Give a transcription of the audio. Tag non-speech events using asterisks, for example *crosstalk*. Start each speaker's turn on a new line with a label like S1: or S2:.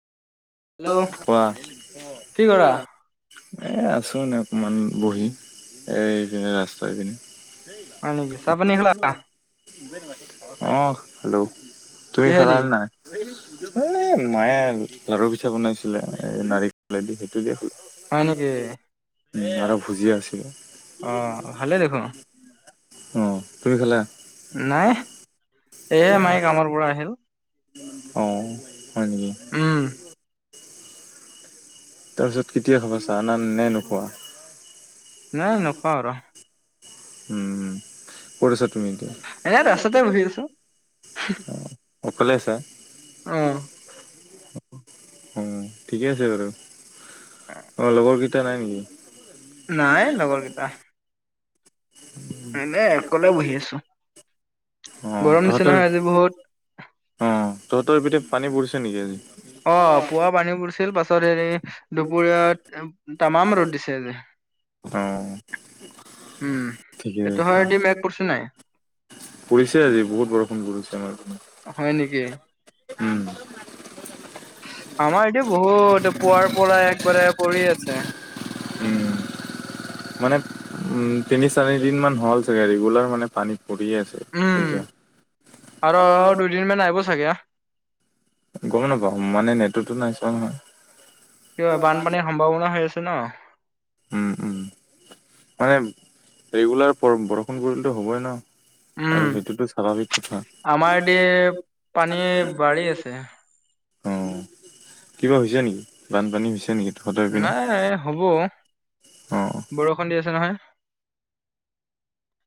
S1: Hello
S2: কোৱা
S1: কি কৰা
S2: এ আছো এনে অকমান বহি এই ৰাস্তাৰ পিনে।
S1: হয় নেকি চাহ পানী খালা
S2: অ হেল্ল' তুমি খালা
S1: কিহেদি
S2: নাই এ মায়ে পিঠা বনাইছিলে এ নাৰিকলে দি সেইটো দি খালো।
S1: হয় নেকি
S2: আৰু ভুজিয়া আছিল
S1: অ ভালে দেখোন।
S2: অ তুমি খালা?
S1: নাই এইয়া মাই কামৰ পৰা আহিল।
S2: অ হয় নেকি?
S1: উম
S2: *unintelligible* তাৰপিছত কেতিয়া খাবা চাহ না নে নোখোৱা?
S1: নাই নখোৱা আৰু।
S2: উম উম কৰিছা তুমি এতিয়া,
S1: এনে ৰাস্ততে বহি আছো।
S2: অ অকলে আছা?
S1: অ
S2: উম উম, ঠিকে আছে বাৰু। অ লগৰকেইটা নাই নেকি?
S1: নাই লগৰ কেইটা। এনে অকলে বহি আছো
S2: অ
S1: গৰম দিছে
S2: তহঁতৰ
S1: নহয় আজি বহুত।
S2: অ তহঁতৰ এইপিনে পানী পৰিছে নেকি আজি?
S1: অ পুৱা পানী পৰিছিল পাছত হেৰি দুপৰীয়া তামাম ৰ'দ দিছে আজি।
S2: অ
S1: উম,
S2: ঠিকে
S1: তহতৰ ফালেদি মেঘ
S2: আছে
S1: পৰিছিল নাই?
S2: পৰিছে আজি বহুত বৰষুণ পৰিছে আমাৰ পিনে।
S1: হয় নেকি?
S2: উম
S1: আমাৰ ইয়াতে বহুত পুৱাৰ পৰাই একবাৰে পৰি আছে।
S2: উম,
S1: *inaudible*
S2: মানে উম তিনি চাৰি দিন মান হ'ল চাগে ৰেগুলাৰ মানে পানীত পৰিয়ে আছে।
S1: উম
S2: আছা,
S1: আৰু দুদিনমান আহিব চাগে।
S2: গম নাপাওঁ মানে নেটটতো নাই চোৱা নহয়।
S1: কিয় বানপানীৰ সম্ভাৱনা হৈ আছে ন?
S2: উম উম মানে ৰেগুলাৰ ব বৰষুণ পৰিলেতো হ'বই ন।
S1: উম,
S2: আৰু সেইটোতো স্বাভাৱিক কথা।
S1: আমাৰ দি পানী বাঢ়ি আছে।
S2: অ কিবা হৈছে নেকি বানপানী হৈছে নেকি? তহঁতৰ পিনে
S1: নাই নাই হ'ব
S2: অ'।
S1: বৰষুণ দি আছে নহয়।